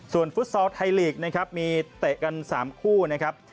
ส่วนฟุตซอลไทยลีกนะครับมีเตะกัน๓คู่นะครับ